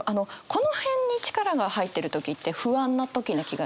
この辺に力が入ってる時って不安な時な気がして。